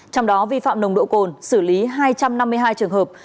trong đó vi phạm nồng độ cồn xử lý hai trăm năm mươi hai trường hợp